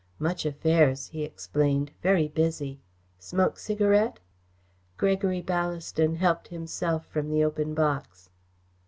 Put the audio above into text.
"Much affairs," he explained. "Very busy. Smoke cigarette?" Gregory Ballaston helped himself from the open box.